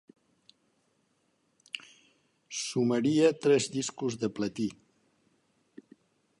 Sumaria tres discos de platí.